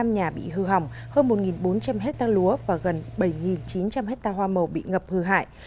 tám trăm tám mươi năm nhà bị hư hỏng hơn một bốn trăm linh hectare lúa và gần bảy chín trăm linh hectare hoa màu bị ngập hư hại